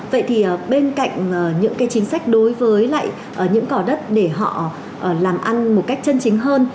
vậy thì bên cạnh những cái chính sách đối với lại những cỏ đất để họ làm ăn một cách chân chính hơn